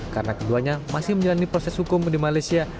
karena keduanya masih menjalani proses hukum di malaysia